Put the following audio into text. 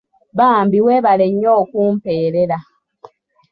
Bambi weebale nnyo okumpeerera.